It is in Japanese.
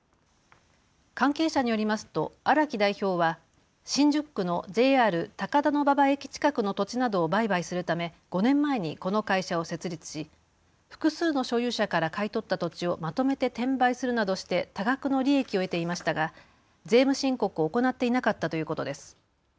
関係者によりますと荒木代表は新宿区のＪＲ高田馬場駅近くの土地などを売買するため５年前にこの会社を設立し複数の所有者から買い取った土地をまとめて転売するなどして多額の利益を得ていましたが税務申告を行っていなかったということです。